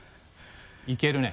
いけるね。